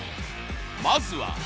まずは。